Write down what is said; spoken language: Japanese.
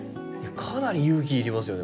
かなり勇気いりますよね